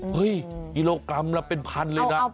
กิโลกรัมละเป็นพันเลยนะ